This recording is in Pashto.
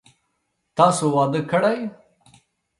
تاسو واده کړئ ؟